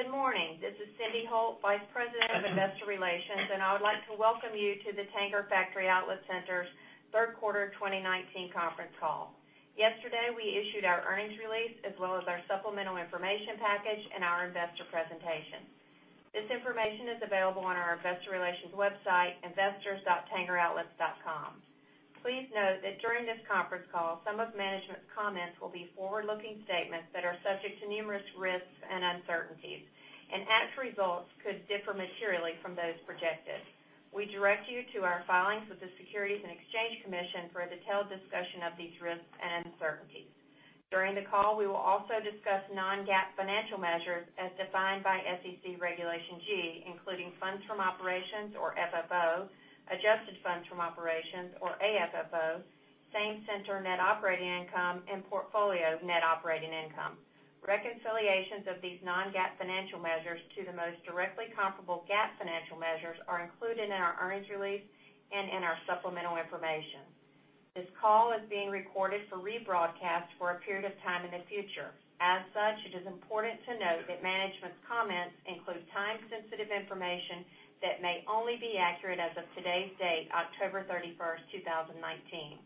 Good morning. This is Cyndi Holt, Vice President of Investor Relations, and I would like to welcome you to the Tanger Factory Outlet Centers's third quarter 2019 conference call. Yesterday, we issued our earnings release as well as our supplemental information package and our investor presentation. This information is available on our investor relations website, investors.tangeroutlets.com. Please note that during this conference call, some of management's comments will be forward-looking statements that are subject to numerous risks and uncertainties, and actual results could differ materially from those projected. We direct you to our filings with the Securities and Exchange Commission for a detailed discussion of these risks and uncertainties. During the call, we will also discuss non-GAAP financial measures as defined by SEC Regulation G, including funds from operations or FFO, adjusted funds from operations or AFFO, Same Center Net Operating Income, and Portfolio Net Operating Income. Reconciliations of these non-GAAP financial measures to the most directly comparable GAAP financial measures are included in our earnings release and in our supplemental information. This call is being recorded for rebroadcast for a period of time in the future. As such, it is important to note that management's comments include time-sensitive information that may only be accurate as of today's date, October 31st, 2019.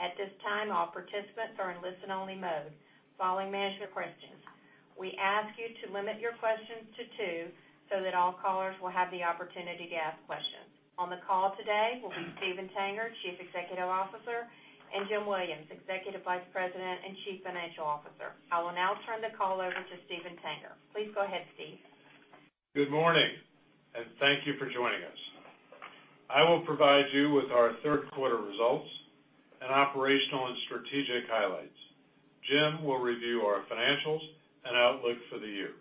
At this time, all participants are in listen-only mode following management questions. We ask you to limit your questions to two so that all callers will have the opportunity to ask questions. On the call today will be Steven Tanger, Chief Executive Officer, and James Williams, Executive Vice President and Chief Financial Officer. I will now turn the call over to Steven Tanger. Please go ahead, Steve. Good morning, and thank you for joining us. I will provide you with our third quarter results and operational and strategic highlights. Jim will review our financials and outlook for the year.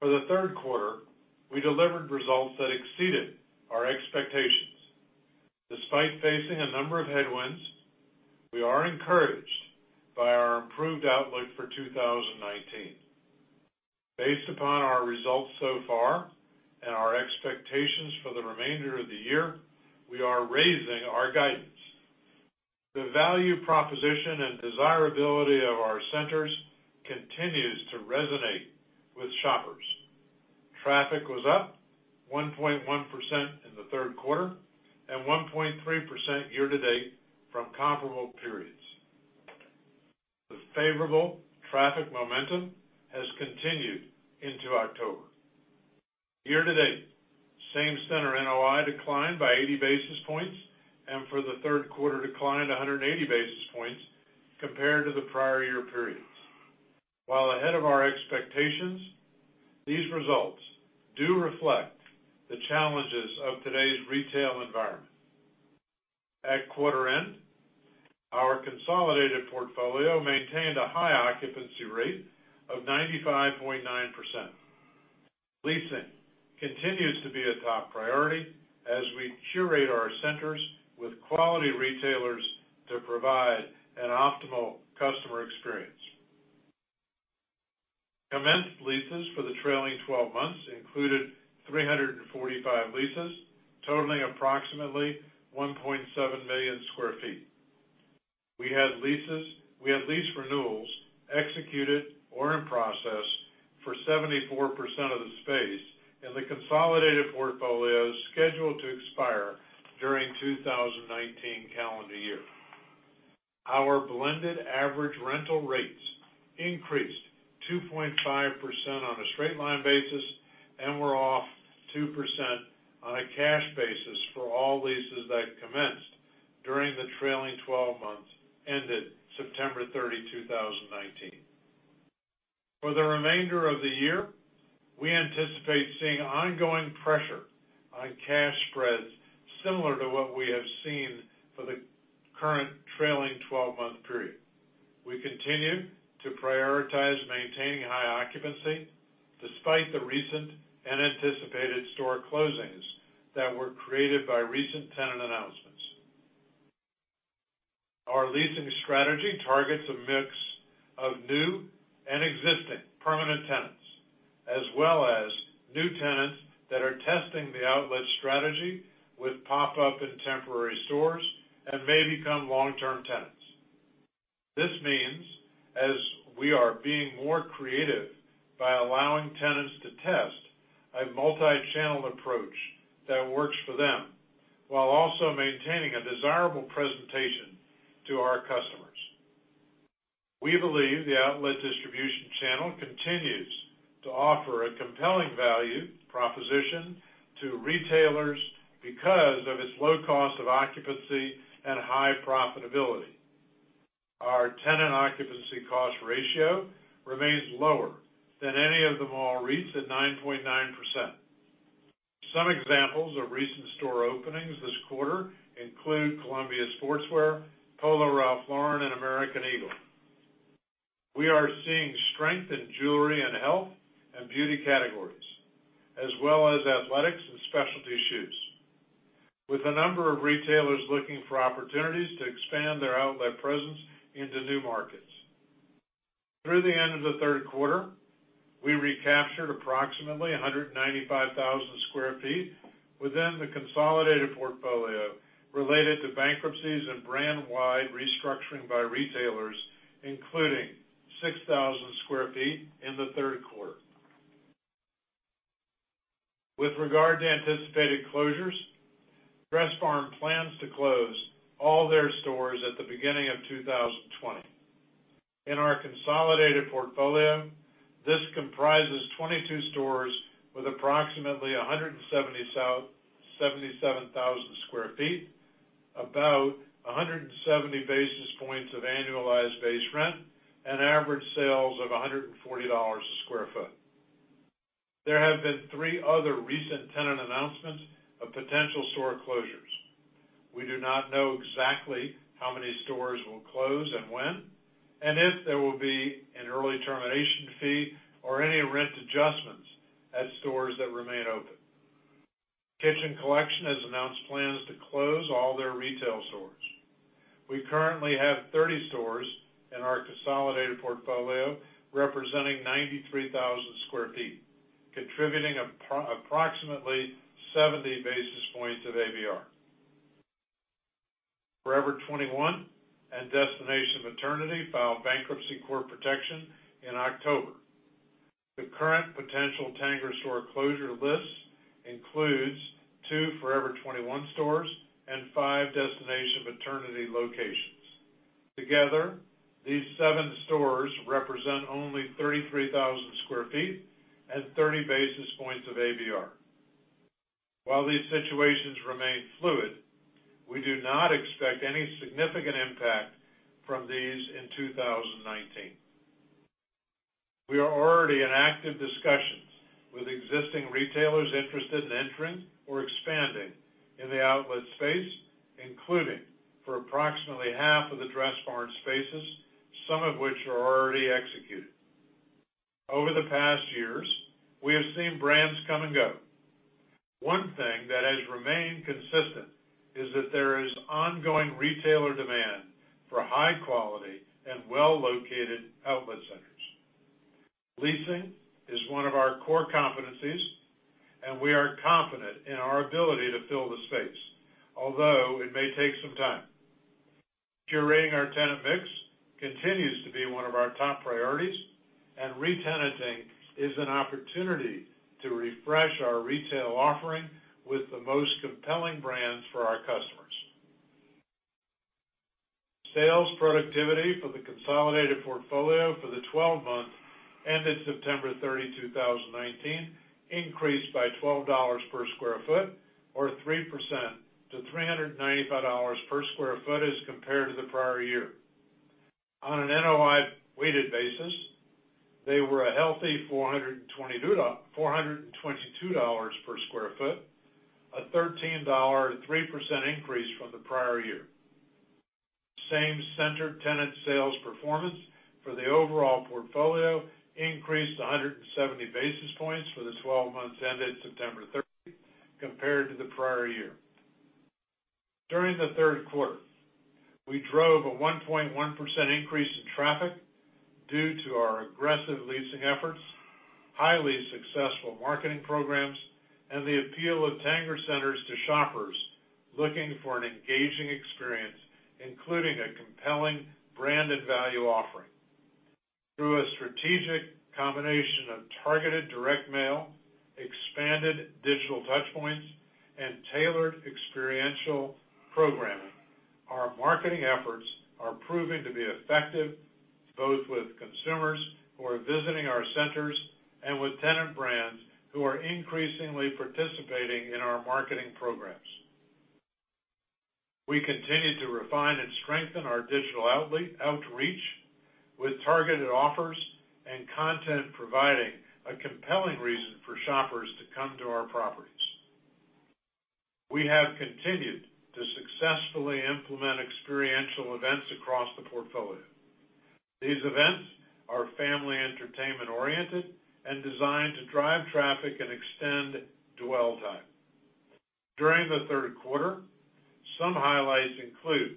For the third quarter, we delivered results that exceeded our expectations. Despite facing a number of headwinds, we are encouraged by our improved outlook for 2019. Based upon our results so far and our expectations for the remainder of the year, we are raising our guidance. The value proposition and desirability of our centers continues to resonate with shoppers. Traffic was up 1.1% in the third quarter and 1.3% year-to-date from comparable periods. The favorable traffic momentum has continued into October. Year-to-date, Same Center NOI declined by 80 basis points, and for the third quarter, declined 180 basis points compared to the prior year periods. While ahead of our expectations, these results do reflect the challenges of today's retail environment. At quarter end, our consolidated portfolio maintained a high occupancy rate of 95.9%. Leasing continues to be a top priority as we curate our centers with quality retailers to provide an optimal customer experience. Commenced leases for the trailing 12 months included 345 leases, totaling approximately 1.7 million square feet. We had lease renewals executed or in process for 74% of the space in the consolidated portfolios scheduled to expire during 2019 calendar year. Our blended average rental rates increased 2.5% on a straight line basis and were off 2% on a cash basis for all leases that commenced during the trailing 12 months ended September 30, 2019. For the remainder of the year, we anticipate seeing ongoing pressure on cash spreads similar to what we have seen for the current trailing 12-month period. We continue to prioritize maintaining high occupancy despite the recent unanticipated store closings that were created by recent tenant announcements. Our leasing strategy targets a mix of new and existing permanent tenants, as well as new tenants that are testing the outlet strategy with pop-up and temporary stores and may become long-term tenants. This means as we are being more creative by allowing tenants to test a multi-channel approach that works for them while also maintaining a desirable presentation to our customers. We believe the outlet distribution channel continues to offer a compelling value proposition to retailers because of its low cost of occupancy and high profitability. Our tenant occupancy cost ratio remains lower than any of the mall REITs at 9.9%. Some examples of recent store openings this quarter include Columbia Sportswear, Polo Ralph Lauren, and American Eagle. We are seeing strength in jewelry and health and beauty categories, as well as athletics and specialty shoes, with a number of retailers looking for opportunities to expand their outlet presence into new markets. Through the end of the third quarter, we recaptured approximately 195,000 square feet within the consolidated portfolio related to bankruptcies and brand-wide restructuring by retailers, including 6,000 square feet in the third quarter. With regard to anticipated closures, Dressbarn plans to close all their stores at the beginning of 2020. In our consolidated portfolio, this comprises 22 stores with approximately 177,000 square feet, about 170 basis points of Annualized Base Rent, and average sales of $140 a square foot. There have been three other recent tenant announcements of potential store closures. We do not know exactly how many stores will close and when, and if there will be an early termination fee or any rent adjustments at stores that remain open. Kitchen Collection has announced plans to close all their retail stores. We currently have 30 stores in our consolidated portfolio, representing 93,000 square feet, contributing approximately 70 basis points of ABR. Forever 21 and Destination Maternity filed bankruptcy court protection in October. The current potential Tanger store closure list includes two Forever 21 stores and five Destination Maternity locations. Together, these seven stores represent only 33,000 square feet and 30 basis points of ABR. While these situations remain fluid, we do not expect any significant impact from these in 2019. We are already in active discussions with existing retailers interested in entering or expanding in the outlet space, including for approximately half of the Dressbarn spaces, some of which are already executed. Over the past years, we have seen brands come and go. One thing that has remained consistent is that there is ongoing retailer demand for high quality and well-located outlet centers. Leasing is one of our core competencies, and we are confident in our ability to fill the space, although it may take some time. Curating our tenant mix continues to be one of our top priorities, and retenanting is an opportunity to refresh our retail offering with the most compelling brands for our customers. Sales productivity for the consolidated portfolio for the 12 months ended September 30, 2019, increased by $12 per square foot or 3% to $395 per square foot as compared to the prior year. On an NOI weighted basis, they were a healthy $422 per square foot, a $13 or 3% increase from the prior year. Same Center tenant sales performance for the overall portfolio increased 170 basis points for the 12 months ended September 30 compared to the prior year. During the third quarter, we drove a 1.1% increase in traffic due to our aggressive leasing efforts, highly successful marketing programs, and the appeal of Tanger centers to shoppers looking for an engaging experience, including a compelling brand and value offering. Through a strategic combination of targeted direct mail, expanded digital touchpoints, and tailored experiential programming, our marketing efforts are proving to be effective, both with consumers who are visiting our centers and with tenant brands who are increasingly participating in our marketing programs. We continue to refine and strengthen our digital outreach with targeted offers and content, providing a compelling reason for shoppers to come to our properties. We have continued to successfully implement experiential events across the portfolio. These events are family entertainment-oriented and designed to drive traffic and extend dwell time. During the third quarter, some highlights include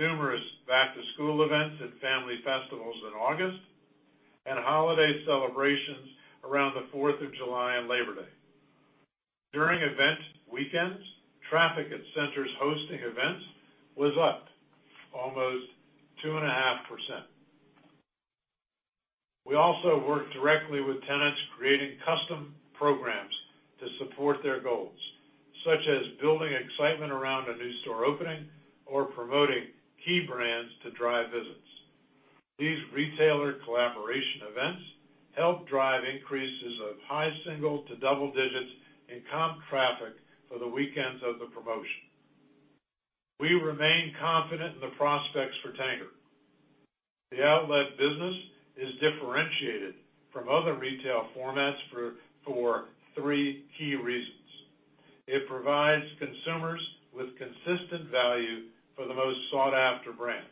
numerous back-to-school events and family festivals in August, and holiday celebrations around the Fourth of July and Labor Day. During event weekends, traffic at centers hosting events was up almost 2.5%. We also work directly with tenants, creating custom programs to support their goals, such as building excitement around a new store opening or promoting key brands to drive visits. These retailer collaboration events help drive increases of high single to double digits in comp traffic for the weekends of the promotion. We remain confident in the prospects for Tanger. The outlet business is differentiated from other retail formats for three key reasons. It provides consumers with consistent value for the most sought-after brands.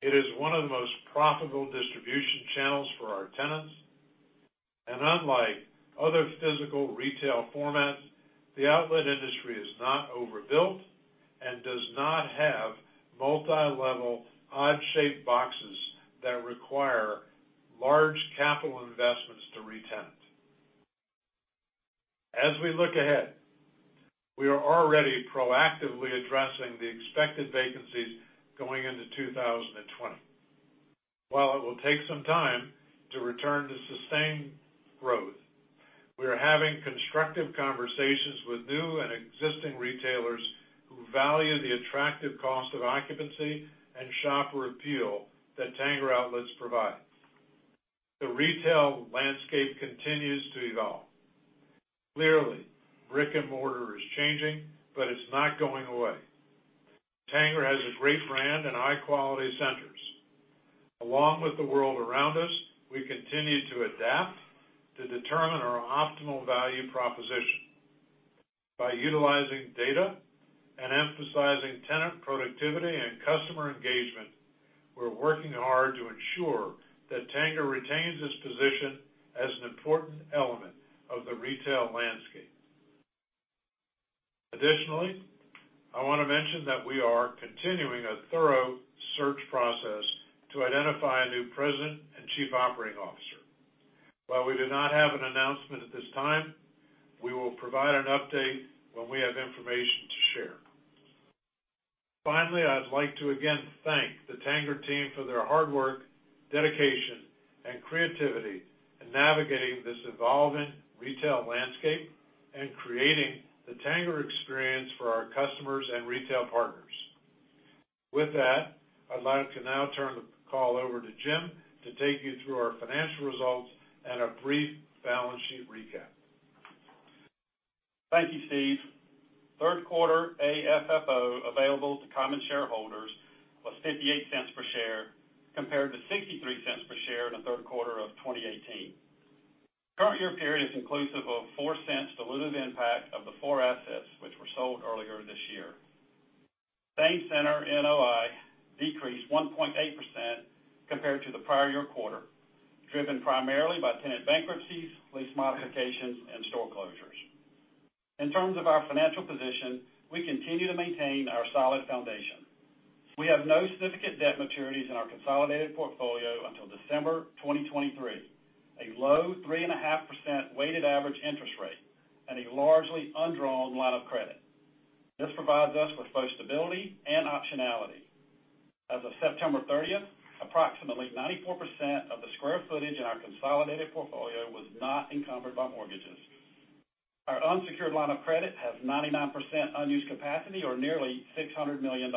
It is one of the most profitable distribution channels for our tenants. Unlike other physical retail formats, the outlet industry is not overbuilt and does not have multi-level odd-shaped boxes that require large capital investments to re-tenant. As we look ahead, we are already proactively addressing the expected vacancies going into 2020. While it will take some time to return to sustained growth, we are having constructive conversations with new and existing retailers who value the attractive cost of occupancy and shopper appeal that Tanger Outlets provide. The retail landscape continues to evolve. Clearly, brick and mortar is changing, but it's not going away. Tanger has a great brand and high-quality centers. Along with the world around us, we continue to adapt to determine our optimal value proposition. By utilizing data and emphasizing tenant productivity and customer engagement, we're working hard to ensure that Tanger retains its position as an important element of the retail landscape. Additionally, I want to mention that we are continuing a thorough search process to identify a new President and Chief Operating Officer. While we do not have an announcement at this time, we will provide an update when we have information to share. Finally, I'd like to again thank the Tanger team for their hard work, dedication, and creativity in navigating this evolving retail landscape and creating the Tanger experience for our customers and retail partners. With that, I'd like to now turn the call over to Jim to take you through our financial results and a brief balance sheet recap. Thank you, Steve. Third quarter AFFO available to common shareholders was $0.58 per share, compared to $0.63 per share in the third quarter of 2018. Current year period is inclusive of $0.04 dilutive impact of the four assets which were sold earlier this year. Same Center NOI decreased 1.8% compared to the prior year quarter, driven primarily by tenant bankruptcies, lease modifications, and store closures. In terms of our financial position, we continue to maintain our solid foundation. We have no significant debt maturities in our consolidated portfolio until December 2023, a low 3.5% weighted average interest rate, and a largely undrawn line of credit. This provides us with both stability and optionality. As of September 30th, approximately 94% of the square footage in our consolidated portfolio was not encumbered by mortgages. Our unsecured line of credit has 99% unused capacity or nearly $600 million.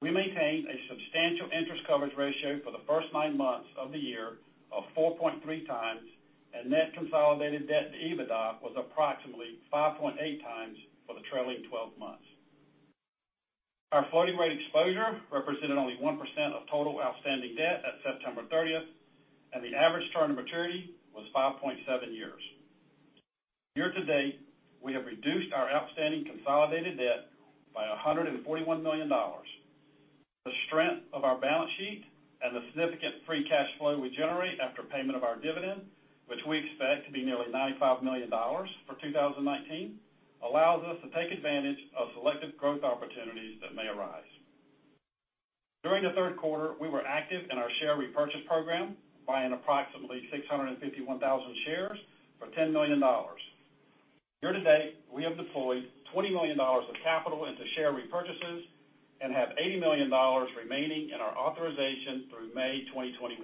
We maintain a substantial interest coverage ratio for the first nine months of the year of 4.3 times, and net consolidated debt to EBITDA was approximately 5.8 times for the trailing 12 months. Our floating rate exposure represented only 1% of total outstanding debt at September 30th, and the average term to maturity was 5.7 years. Year to date, we have reduced our outstanding consolidated debt by $141 million. The strength of our balance sheet and the significant free cash flow we generate after payment of our dividend, which we expect to be nearly $95 million for 2019, allows us to take advantage of selective growth opportunities that may arise. During the third quarter, we were active in our share repurchase program, buying approximately 651,000 shares for $10 million. Year-to-date, we have deployed $20 million of capital into share repurchases and have $80 million remaining in our authorization through May 2021.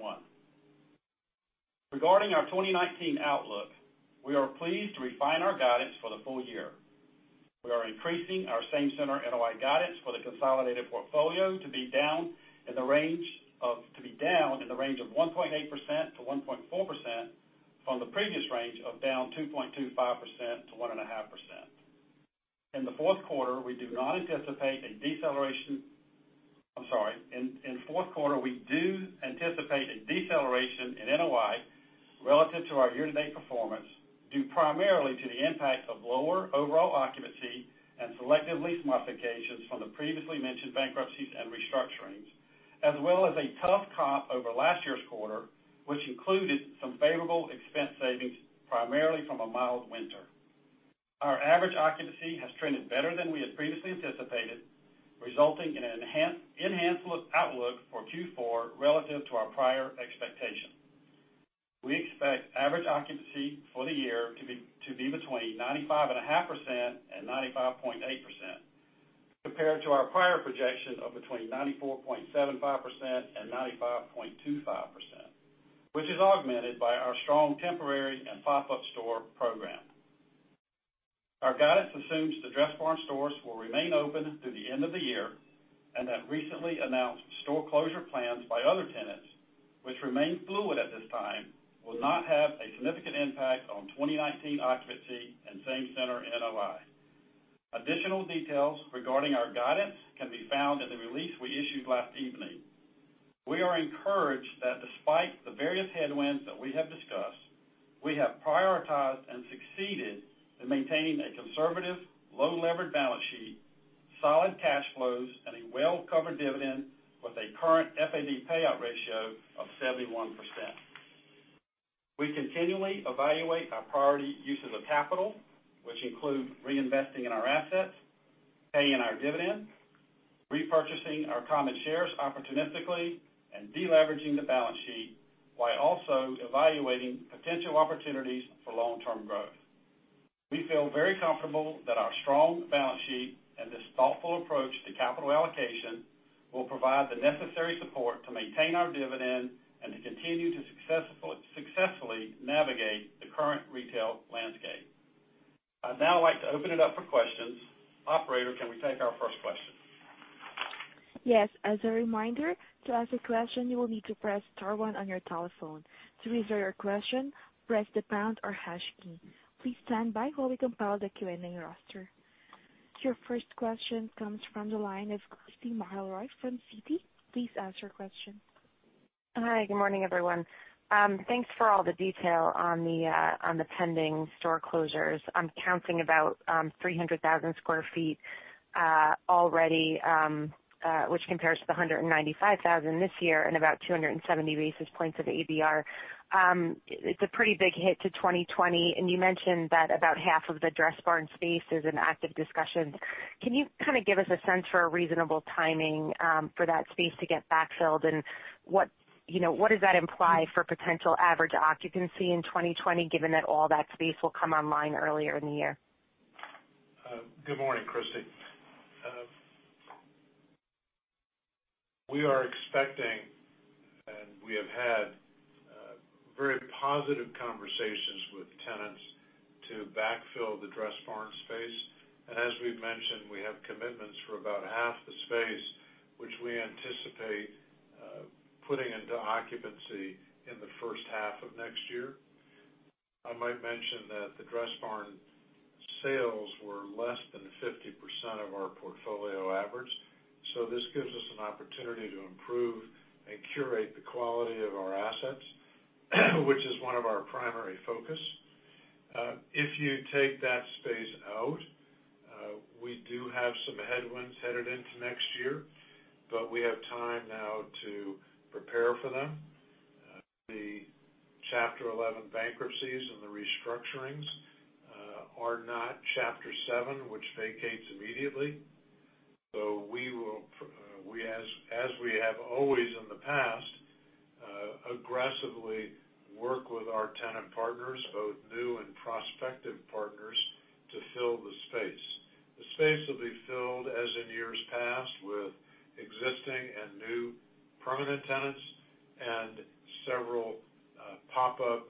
Regarding our 2019 outlook, we are pleased to refine our guidance for the full year. We are increasing our Same Center NOI guidance for the consolidated portfolio to be down in the range of 1.8%-1.4% from the previous range of down 2.25%-1.5%. In the fourth quarter, we do anticipate a deceleration in NOI relative to our year-to-date performance, due primarily to the impact of lower overall occupancy and selective lease modifications from the previously mentioned bankruptcies and restructurings, as well as a tough comp over last year's quarter, which included some favorable expense savings, primarily from a mild winter. Our average occupancy has trended better than we had previously anticipated, resulting in an enhanced outlook for Q4 relative to our prior expectation. We expect average occupancy for the year to be between 95.5%-95.8%, compared to our prior projection of between 94.75%-95.25%, which is augmented by our strong temporary and pop-up store program. Our guidance assumes the Dressbarn stores will remain open through the end of the year, and that recently announced store closure plans by other tenants, which remain fluid at this time, will not have a significant impact on 2019 occupancy and Same Center NOI. Additional details regarding our guidance can be found in the release we issued last evening. We are encouraged that despite the various headwinds that we have discussed, we have prioritized and succeeded in maintaining a conservative, low-levered balance sheet, solid cash flows, and a well-covered dividend with a current FAD payout ratio of 71%. We continually evaluate our priority uses of capital, which include reinvesting in our assets, paying our dividends, repurchasing our common shares opportunistically, and de-leveraging the balance sheet, while also evaluating potential opportunities for long-term growth. We feel very comfortable that our strong balance sheet and this thoughtful approach to capital allocation will provide the necessary support to maintain our dividend and to continue to successfully navigate the current retail landscape. I'd now like to open it up for questions. Operator, can we take our first question? Yes. As a reminder, to ask a question, you will need to press star one on your telephone. To withdraw your question, press the pound or hash key. Please stand by while we compile the Q&A roster. Your first question comes from the line of Christy McElroy from Citi. Please ask your question. Hi. Good morning, everyone. Thanks for all the detail on the pending store closures. I'm counting about 300,000 square feet already, which compares to the 195,000 this year and about 270 basis points of ABR. It's a pretty big hit to 2020, and you mentioned that about half of the Dressbarn space is in active discussions. Can you kind of give us a sense for a reasonable timing for that space to get backfilled? What does that imply for potential average occupancy in 2020, given that all that space will come online earlier in the year? Good morning, Christy. We are expecting, we have had very positive conversations with tenants to backfill the Dressbarn space. As we've mentioned, we have commitments for about half the space, which we anticipate putting into occupancy in the first half of next year. I might mention that the Dressbarn sales were less than 50% of our portfolio average, this gives us an opportunity to improve and curate the quality of our assets, which is one of our primary focus. If you take that space out, we do have some headwinds headed into next year, we have time now to prepare for them. The Chapter 11 bankruptcies and the restructurings are not Chapter 7, which vacates immediately. We will, as we have always in the past, aggressively work with our tenant partners, both new and prospective partners, to fill the space. The space will be filled, as in years past, with existing and new permanent tenants and several pop-up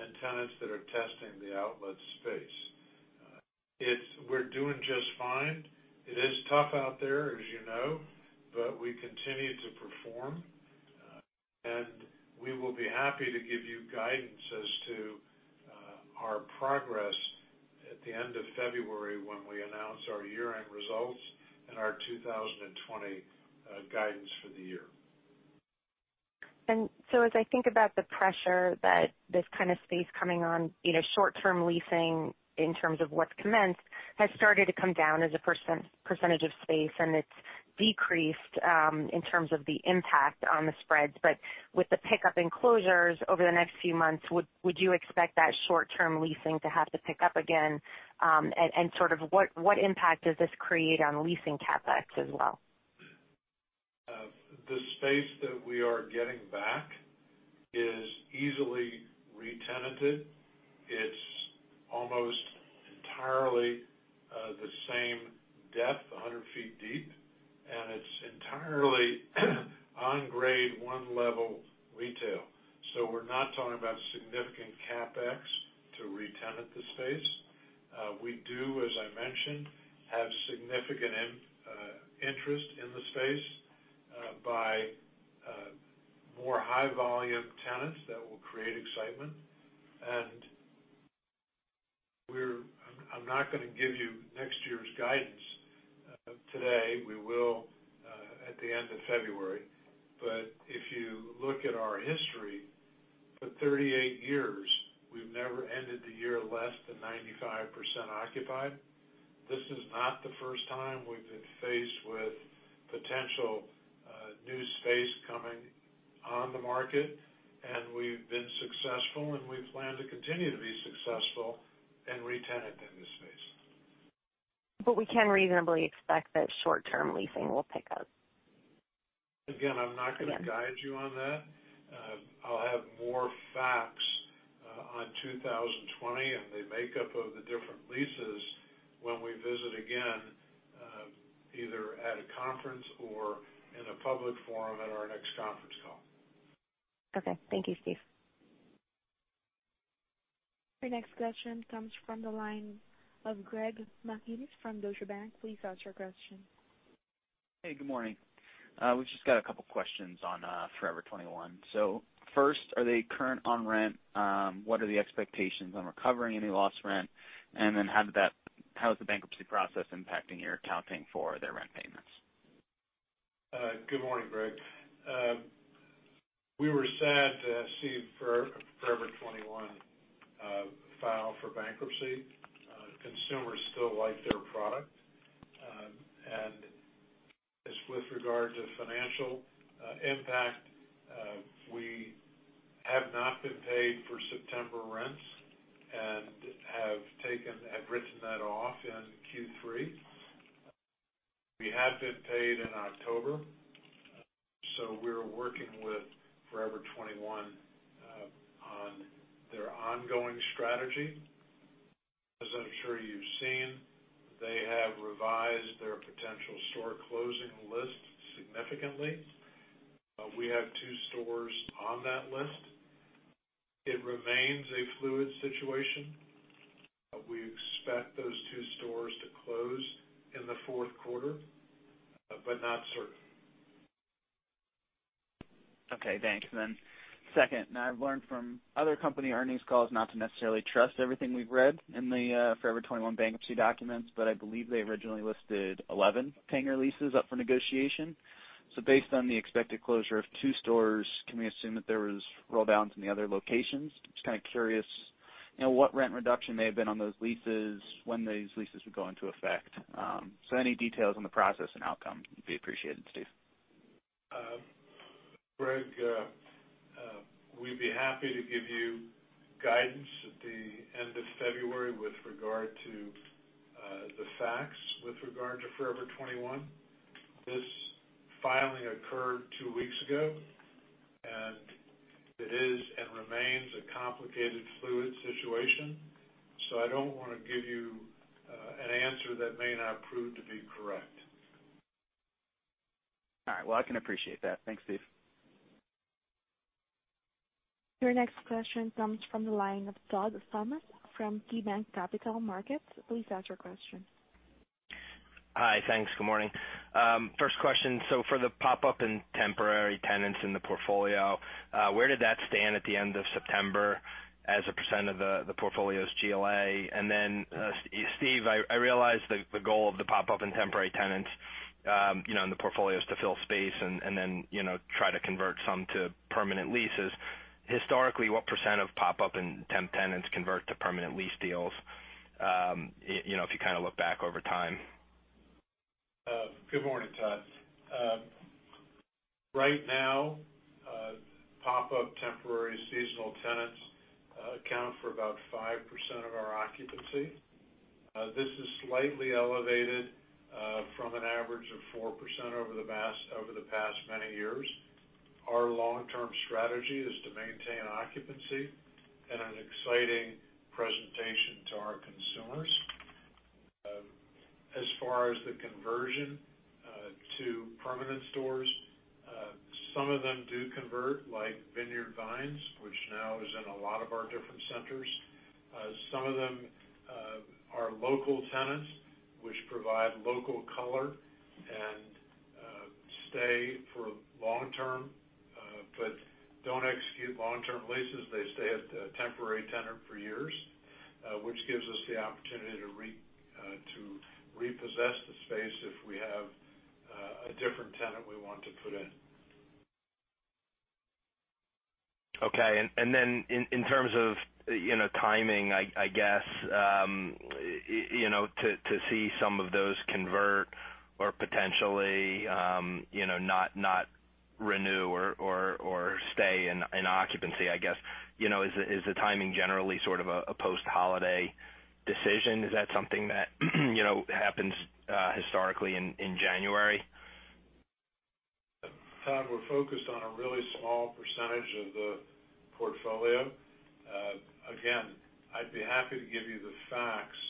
and tenants that are testing the outlet space. We're doing just fine. It is tough out there, as you know, but we continue to perform. We will be happy to give you guidance as to our progress at the end of February when we announce our year-end results and our 2020 guidance for the year. As I think about the pressure that this kind of space coming on short-term leasing in terms of what's commenced, has started to come down as a percentage of space, and it's decreased in terms of the impact on the spreads. With the pickup in closures over the next few months, would you expect that short-term leasing to have to pick up again? What impact does this create on leasing CapEx as well? The space that we are getting back is easily re-tenanted. It's almost entirely the same depth, 100 feet deep, and it's entirely on grade 1 level retail. We're not talking about significant CapEx to re-tenant the space. We do, as I mentioned, have significant interest in the space by more high-volume tenants that will create excitement. I'm not going to give you next year's guidance today. We will at the end of February. If you look at our history, for 38 years, we've never ended the year less than 95% occupied. This is not the first time we've been faced with potential new space coming on the market, and we've been successful, and we plan to continue to be successful in re-tenanting the space. We can reasonably expect that short-term leasing will pick up. Again, I'm not going to guide you on that. I'll have more facts on 2020 and the makeup of the different leases when we visit again, either at a conference or in a public forum at our next conference call. Okay. Thank you, Steve. Your next question comes from the line of Greg McGinniss from Deutsche Bank. Please ask your question. Hey, good morning. We've just got a couple of questions on Forever 21. First, are they current on rent? What are the expectations on recovering any lost rent? How is the bankruptcy process impacting your accounting for their rent payments? Good morning, Greg. We were sad to see Forever 21 file for bankruptcy. Consumers still like their product. As with regard to financial impact, we have not been paid for September rents and have written that off in Q3. We have been paid in October. We're working with Forever 21 on their ongoing strategy. As I'm sure you've seen, they have revised their potential store closing list significantly. We have two stores on that list. It remains a fluid situation. We expect those two stores to close in the fourth quarter, but not certain. Okay, thanks then. Second, now I've learned from other company earnings calls not to necessarily trust everything we've read in the Forever 21 bankruptcy documents, but I believe they originally listed 11 Tanger leases up for negotiation. Based on the expected closure of two stores, can we assume that there was roll-downs in the other locations? Just kind of curious, what rent reduction may have been on those leases, when these leases would go into effect. Any details on the process and outcome would be appreciated, Steve. Greg, we'd be happy to give you guidance at the end of February with regard to the facts with regard to Forever 21. This filing occurred two weeks ago, and it is and remains a complicated, fluid situation. I don't want to give you an answer that may not prove to be correct. All right. Well, I can appreciate that. Thanks, Steve. Your next question comes from the line of Todd Thomas from KeyBanc Capital Markets. Please ask your question. Hi. Thanks. Good morning. First question. For the pop-up and temporary tenants in the portfolio, where did that stand at the end of September as a % of the portfolio's GLA? Then, Steve, I realize the goal of the pop-up and temporary tenants in the portfolio is to fill space and then try to convert some to permanent leases. Historically, what % of pop-up and temp tenants convert to permanent lease deals if you kind of look back over time? Good morning, Todd. Right now, pop-up temporary seasonal tenants account for about 5% of our occupancy. This is slightly elevated from an average of 4% over the past many years. Our long-term strategy is to maintain occupancy and an exciting presentation to our consumers. As far as the conversion to permanent stores, some of them do convert, like Vineyard Vines, which now is in a lot of our different centers. Some of them are local tenants, which provide local color and stay for long-term, but don't execute long-term leases. They stay as a temporary tenant for years, which gives us the opportunity to repossess the space if we have a different tenant we want to put in. Okay. In terms of timing, I guess, to see some of those convert or potentially not renew or stay in occupancy, I guess. Is the timing generally sort of a post-holiday decision? Is that something that happens historically in January? Todd, we're focused on a really small percentage of the portfolio. I'd be happy to give you the facts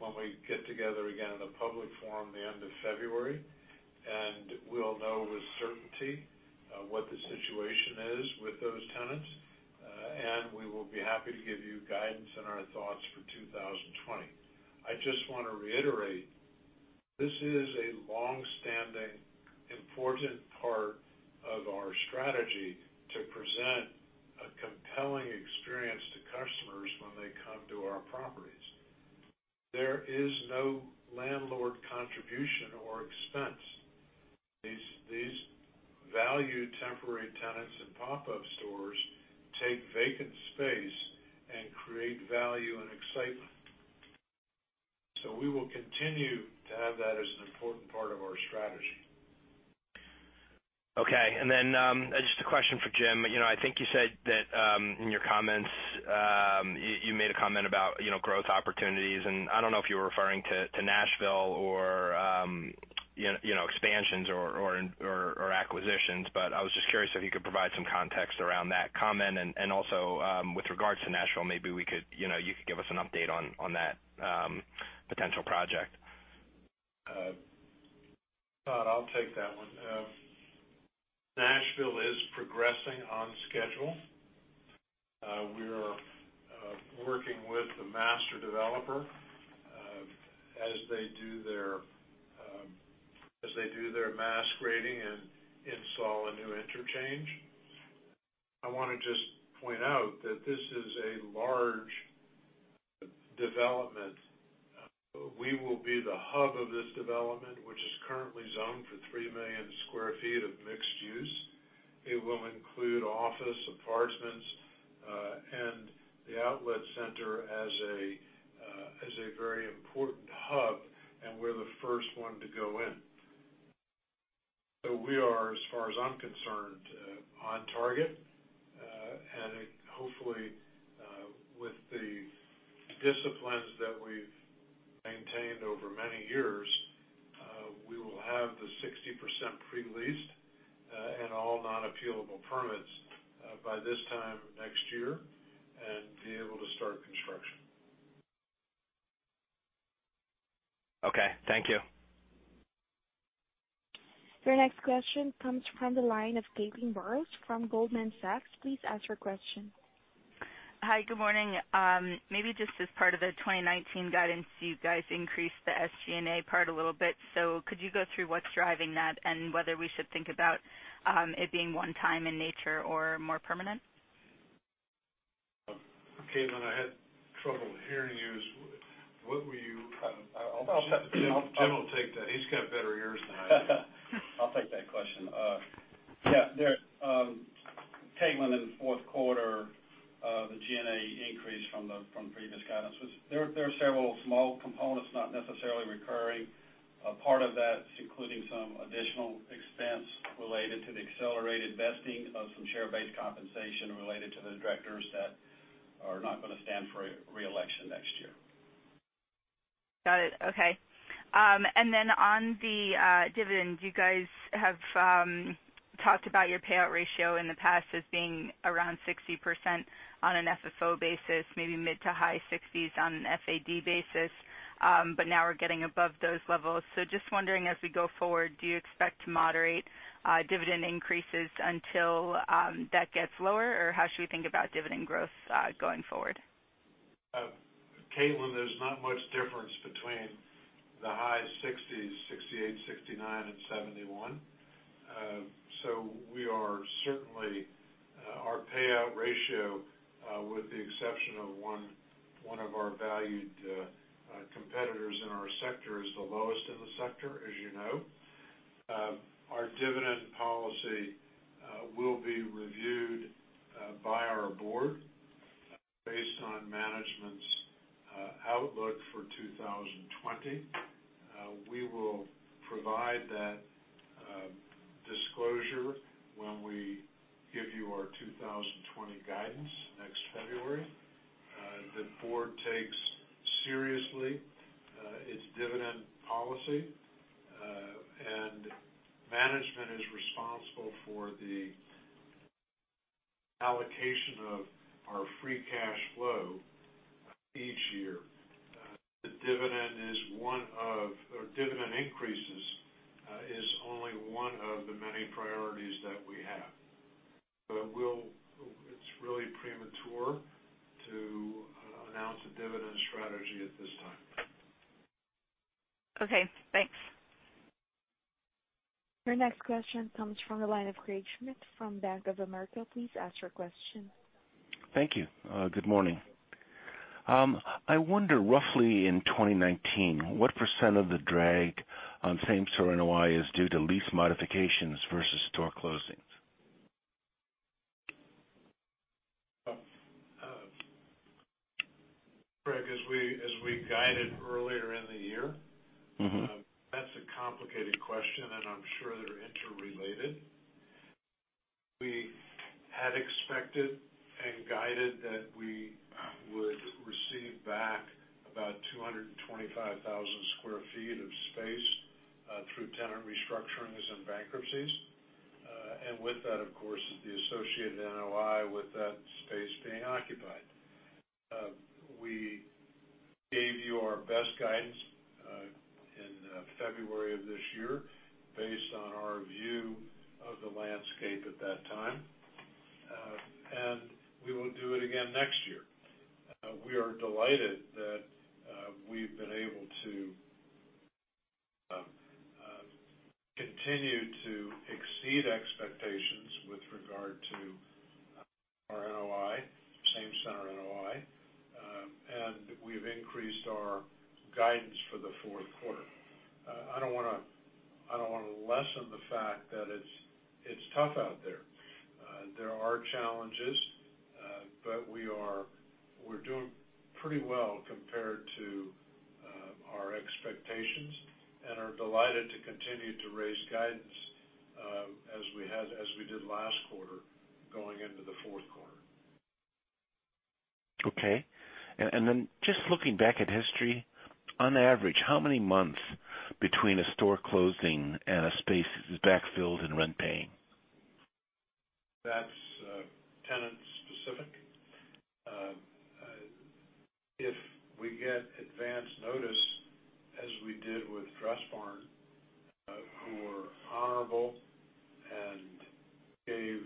when we get together again in a public forum the end of February, and we'll know with certainty what the situation is with those tenants, and we will be happy to give you guidance and our thoughts for 2020. I just want to reiterate, this is a long-standing, important part of our strategy to present a compelling experience to customers when they come to our properties. There is no landlord contribution or expense. These valued temporary tenants and pop-up stores take vacant space and create value and excitement. We will continue to have that as an important part of our strategy. Okay, just a question for Jim. I think you said that in your comments, you made a comment about growth opportunities, I don't know if you were referring to Nashville or expansions or acquisitions, I was just curious if you could provide some context around that comment, also with regards to Nashville, maybe you could give us an update on that potential project. Todd, I'll take that one. Nashville is progressing on schedule. We are working with the master developer as they do their mass grading and install a new interchange. I want to just point out that this is a large development. We will be the hub of this development, which is currently zoned for 3 million square feet of mixed use. It will include office apartments, and the outlet center as a very important hub, and we're the first one to go in. We are, as far as I'm concerned, on target, and hopefully, with the disciplines that we've maintained over many years, we will have the 60% pre-leased and all non-appealable permits by this time next year, and be able to start construction. Okay, thank you. Your next question comes from the line of Caitlin Burrows from Goldman Sachs. Please ask your question. Hi. Good morning. Maybe just as part of the 2019 guidance, you guys increased the SG&A part a little bit. Could you go through what's driving that and whether we should think about it being one time in nature or more permanent? Caitlin, I had trouble hearing you. I'll take that. Jim will take that. He's got better ears than I do. I'll take that question. Yeah, Caitlin, in the fourth quarter, the G&A increase from the previous guidance was. There are several small components, not necessarily recurring. Part of that's including some additional expense related to the accelerated vesting of some share-based compensation related to the directors that are not going to stand for re-election next year. Got it. Okay. On the dividends, you guys have talked about your payout ratio in the past as being around 60% on an FFO basis, maybe mid to high 60s on an FAD basis. Now we're getting above those levels. Just wondering, as we go forward, do you expect to moderate dividend increases until that gets lower, or how should we think about dividend growth going forward? Caitlin, there's not much difference between the high 60s, 68, 69, and 71. Certainly, our payout ratio, with the exception of one of our valued competitors in our sector, is the lowest in the sector, as you know. Our dividend policy will be reviewed by our board based on management's outlook for 2020. We will provide that disclosure when we give you our 2020 guidance next February. The board takes seriously its dividend policy, and management is responsible for the allocation of our free cash flow each year. The dividend increases is only one of the many priorities that we have. It's really premature to announce a dividend strategy at this time. Okay, thanks. Your next question comes from the line of Craig Schmidt from Bank of America. Please ask your question. Thank you. Good morning. I wonder, roughly in 2019, what % of the drag on Same-Center NOI is due to lease modifications versus store closings? Craig, as we guided earlier in the year. That's a complicated question, and I'm sure they're interrelated. We had expected and guided that we would receive back about 225,000 square feet of space through tenant restructurings and bankruptcies. With that, of course, is the associated NOI with that space being occupied. We gave you our best guidance in February of this year based on our view of the landscape at that time, and we will do it again next year. We are delighted that we've been able to continue to exceed expectations with regard to our Same Center NOI, and we've increased our guidance for the fourth quarter. I don't want to lessen the fact that it's tough out there. There are challenges, but we're doing pretty well compared to our expectations and are delighted to continue to raise guidance as we did last quarter going into the fourth quarter. Okay. Then just looking back at history, on average, how many months between a store closing and a space is backfilled and rent-paying? That's tenant-specific. If we get advance notice, as we did with Dressbarn, who were honorable and gave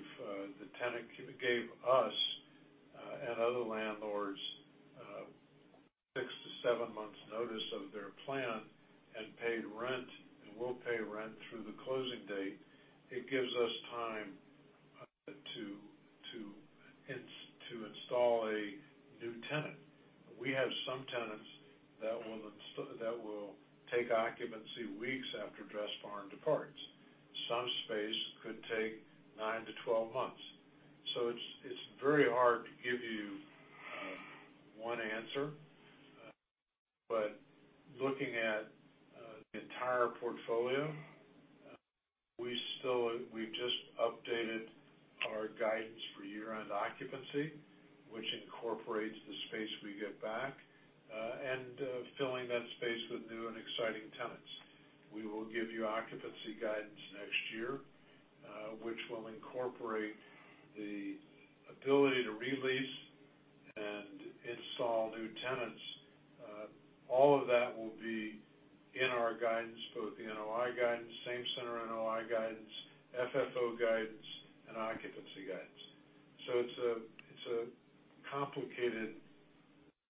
us and other landlords 6 to 7 months notice of their plan, and paid rent and will pay rent through the closing date, it gives us time to install a new tenant. We have some tenants that will take occupancy weeks after Dressbarn departs. Some space could take 9 to 12 months. It's very hard to give you one answer. Looking at the entire portfolio, we've just updated our guidance for year-end occupancy, which incorporates the space we get back, and filling that space with new and exciting tenants. We will give you occupancy guidance next year, which will incorporate the ability to re-lease and install new tenants. All of that will be in our guidance, both the NOI guidance, Same-Center NOI guidance, FFO guidance, and occupancy guidance. It's a complicated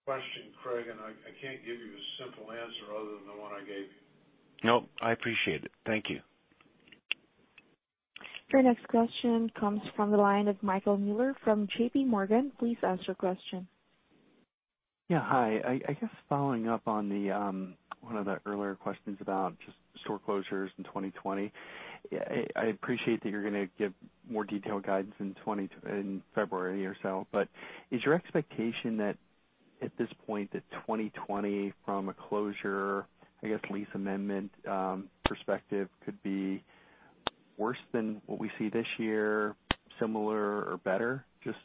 question, Craig, and I can't give you a simple answer other than the one I gave you. Nope. I appreciate it. Thank you. Your next question comes from the line of Michael Mueller from JPMorgan. Please ask your question. Yeah. Hi. I guess following up on one of the earlier questions about just store closures in 2020. I appreciate that you're going to give more detailed guidance in February or so, but is your expectation that at this point, that 2020 from a closure, I guess, lease amendment perspective could be worse than what we see this year, similar, or better? Just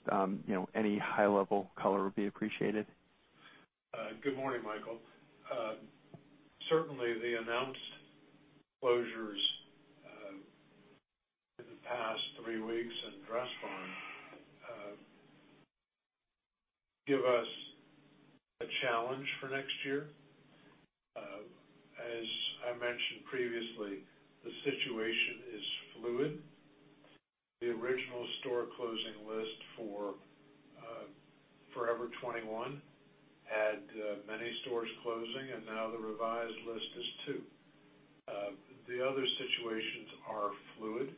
any high level color would be appreciated. Good morning, Michael. Certainly, the announced closures in the past 3 weeks in Dressbarn give us a challenge for next year. As I mentioned previously, the situation is fluid. The original store closing list for Forever 21 had many stores closing, and now the revised list is 2. The other situations are fluid.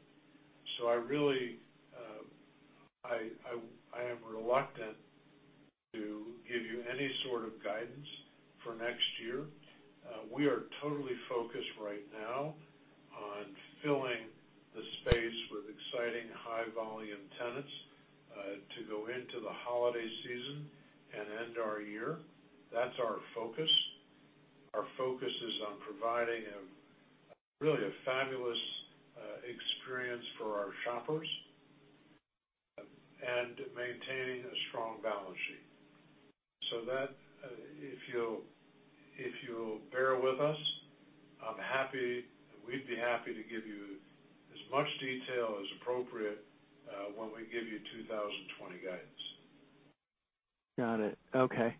I am reluctant to give you any sort of guidance for next year. We are totally focused right now on filling the space with exciting high volume tenants, to go into the holiday season and end our year. That's our focus. Our focus is on providing really a fabulous experience for our shoppers, and maintaining a strong balance sheet. If you'll bear with us, we'd be happy to give you as much detail as appropriate, when we give you 2020 guidance. Got it. Okay.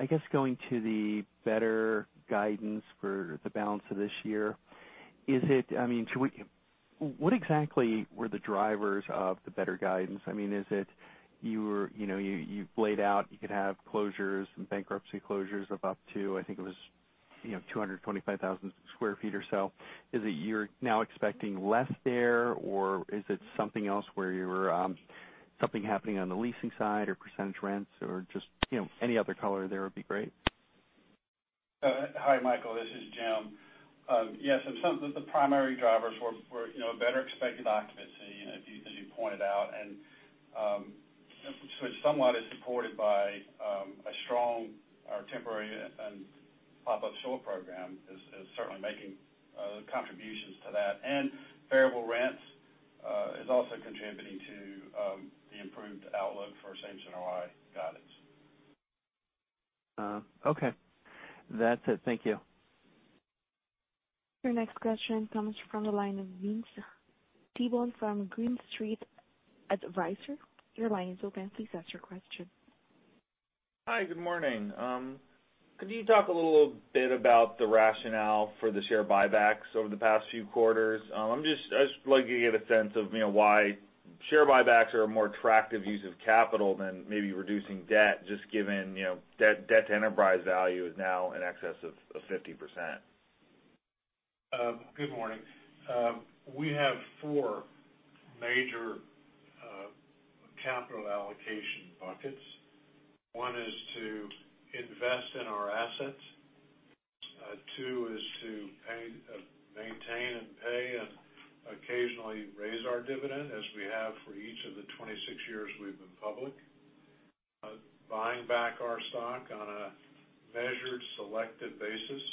I guess going to the better guidance for the balance of this year. What exactly were the drivers of the better guidance? You've laid out you could have closures and bankruptcy closures of up to, I think it was 225,000 sq ft or so. Is it you're now expecting less there, or is it something else where something happening on the leasing side or percentage rents or just any other color there would be great? Hi, Michael, this is Jim. Yes, the primary drivers were better expected occupancy as you pointed out, and which somewhat is supported by a strong temporary and pop-up store program is certainly making contributions to that. Variable rents is also contributing to the improved outlook for Same Center NOI guidance. Okay. That's it. Thank you. Your next question comes from the line of Vince Tibone from Green Street Advisors. Your line is open. Please ask your question. Hi, good morning. Could you talk a little bit about the rationale for the share buybacks over the past few quarters? I'd just like to get a sense of why share buybacks are a more attractive use of capital than maybe reducing debt, just given debt to enterprise value is now in excess of 50%. Good morning. We have 4 major capital allocation buckets. 1 is to invest in our assets. 2 is to maintain and pay and occasionally raise our dividend as we have for each of the 26 years we've been public. Buying back our stock on a measured, selective basis,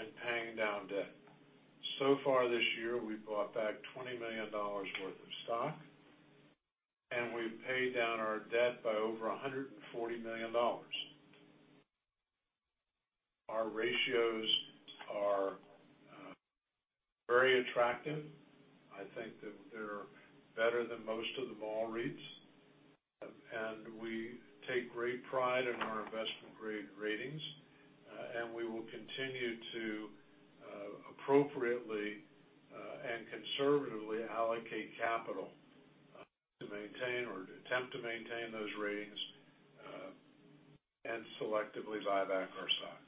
and paying down debt. Far this year, we've bought back $20 million worth of stock, and we've paid down our debt by over $140 million. Our ratios are very attractive. I think that they're better than most of the mall REITs. We take great pride in our investment-grade ratings. We will continue to appropriately and conservatively allocate capital to maintain or attempt to maintain those ratings, and selectively buy back our stock.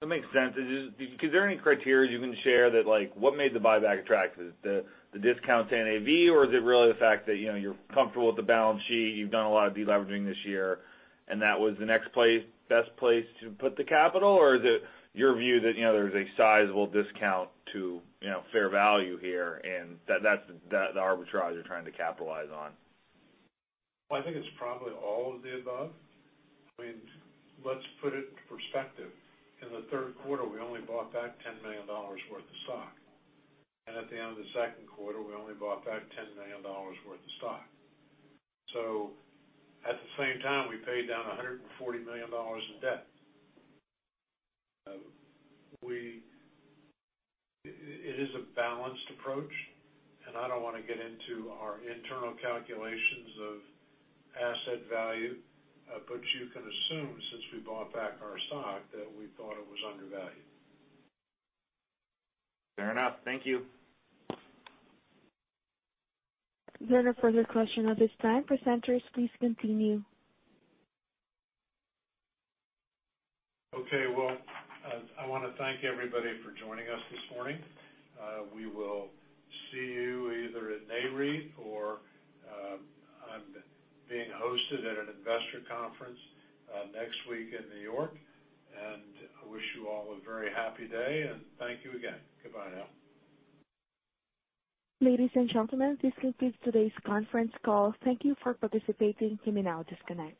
That makes sense. Is there any criteria you can share that, like, what made the buyback attractive? The discount to NAV, or is it really the fact that you're comfortable with the balance sheet, you've done a lot of de-leveraging this year, and that was the best place to put the capital, or is it your view that there's a sizable discount to fair value here and that's the arbitrage you're trying to capitalize on? Well, I think it's probably all of the above. Let's put it into perspective. In the third quarter, we only bought back $10 million worth of stock. At the end of the second quarter, we only bought back $10 million worth of stock. At the same time, we paid down $140 million in debt. It is a balanced approach, and I don't want to get into our internal calculations of asset value, but you can assume, since we bought back our stock, that we thought it was undervalued. Fair enough. Thank you. There are no further question at this time. Presenters, please continue. Okay, well, I want to thank everybody for joining us this morning. We will see you either at Nareit or I'm being hosted at an investor conference next week in New York. I wish you all a very happy day, and thank you again. Goodbye now. Ladies and gentlemen, this concludes today's conference call. Thank you for participating. You may now disconnect.